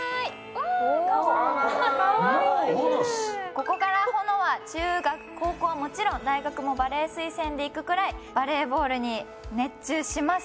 ここから保乃は中学高校はもちろん大学もバレー推薦で行くくらいバレーボールに熱中します。